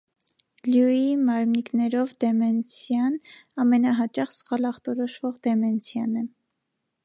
Լյուիի մարմնիկներով դեմենցիան ամենահաճախ սխալ ախտորոշվող դեմենցիան է։